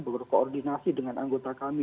berkoordinasi dengan anggota kami